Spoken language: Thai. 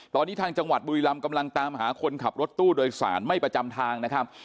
ตอนนี้ทางจังหวัดบุรีรำกำลังตามหาคนขับรถตู้โดยสารไม่ประจำทางนะครับ